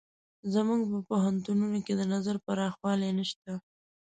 زموږ په پوهنتونونو کې د نظر پراخوالی نشته.